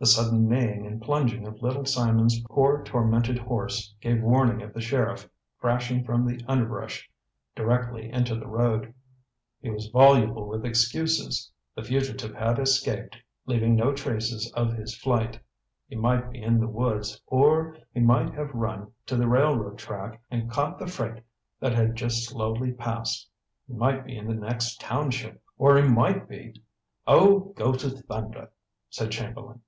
The sudden neighing and plunging of Little Simon's poor tormented horse gave warning of the sheriff, crashing from the underbrush directly into the road. He was voluble with excuses. The fugitive had escaped, leaving no traces of his flight. He might be in the woods, or he might have run to the railroad track and caught the freight that had just slowly passed. He might be in the next township, or he might be "Oh, go to thunder!" said Chamberlain.